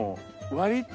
割と。